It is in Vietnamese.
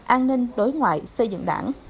an ninh đối ngoại xây dựng đảng